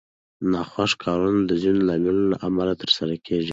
ناخوښ کارونه د ځینو لاملونو له امله ترسره کېږي.